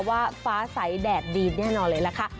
ว่าฟ้าใสแดดดีแน่นอนเลยล่ะค่ะ